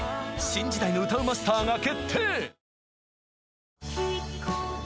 新時代の歌うまスターが決定！